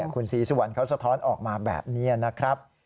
คุณศรีสุวรรณเขาสะท้อนออกมาแบบนี้นะครับ